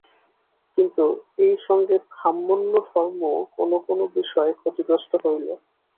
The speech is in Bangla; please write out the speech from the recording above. কিন্তু এইসঙ্গে ব্রাহ্মণ্যধর্মও কোন কোন বিষয়ে ক্ষতিগ্রস্ত হইল।